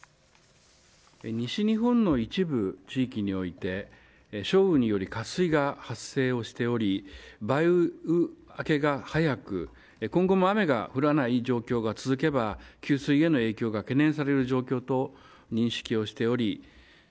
西日本の一部地域において、少雨により渇水が発生をしており、梅雨明けが早く、今後も雨が降らない状況が続けば、給水への影響が懸念される状況と認識をしており。